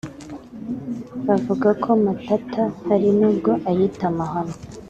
bavuga ko Matata hari n’ubwo ayita Amahano